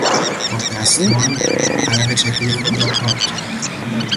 با دستمال عرق چهرهی خود را پاک کرد.